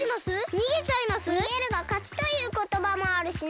「にげるがかち」ということばもあるしね。